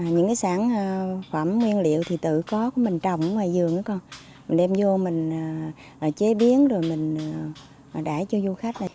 những sản phẩm nguyên liệu tự có của mình trồng ở ngoài giường mình đem vô mình chế biến rồi mình đải cho du khách